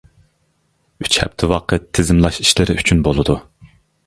ئۈچ ھەپتە ۋاقىت تىزىملاش ئىشلىرى ئۈچۈن بولىدۇ.